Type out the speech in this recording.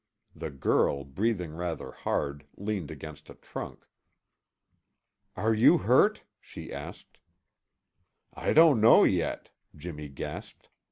The girl, breathing rather hard, leaned against a trunk. "Are you hurt?" she asked. "I don't know yet," Jimmy gasped.